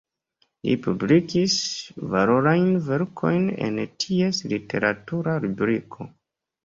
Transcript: Li publikis valorajn verkojn en ties literatura rubriko.